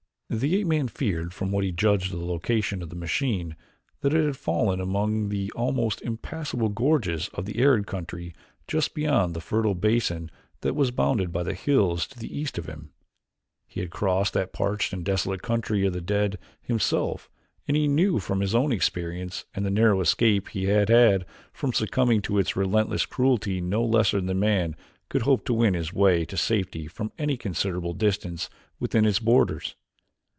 The ape man feared from what he judged of the location of the machine that it had fallen among the almost impassable gorges of the arid country just beyond the fertile basin that was bounded by the hills to the east of him. He had crossed that parched and desolate country of the dead himself and he knew from his own experience and the narrow escape he had had from succumbing to its relentless cruelty no lesser man could hope to win his way to safety from any considerable distance within its borders.